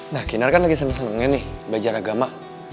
nah kinar kan lagi seneng senengnya nih belajar agama